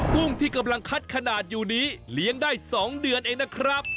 กุ้งที่กำลังคัดขนาดอยู่นี้เลี้ยงได้๒เดือนเองนะครับ